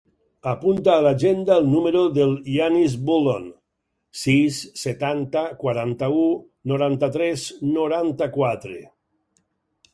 Apunta a l'agenda el número del Yanis Bullon: sis, setanta, quaranta-u, noranta-tres, noranta-quatre.